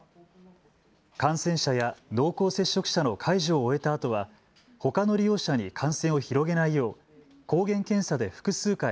感染者や、濃厚接触者の介助を終えたあとはほかの利用者に感染を広げないよう抗原検査で複数回